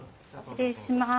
失礼します。